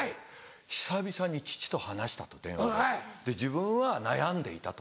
久々に父と話したと電話で自分は悩んでいたと。